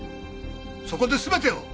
そこで全てを。